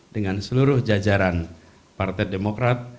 dengan seluruh jajaran partai demokrat